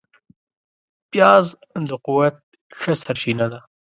پیاز د قوت ښه سرچینه ده